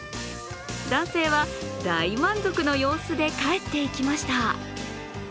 男性は大満足の様子で帰っていきました。